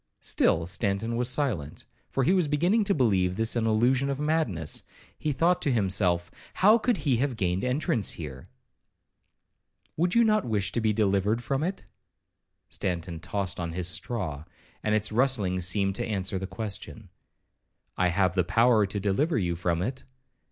'—Still Stanton was silent; for he was beginning to believe this an illusion of madness. He thought to himself, 'How could he have gained entrance here?'—'Would you not wish to be delivered from it?' Stanton tossed on his straw, and its rustling seemed to answer the question. 'I have the power to deliver you from it.'